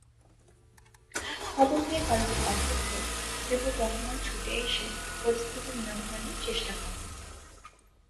খবর পেয়ে কলেজের অধ্যক্ষ হবিবুর রহমান ছুটে এসে পরিস্থিতি নিয়ন্ত্রণের চেষ্টা করেন।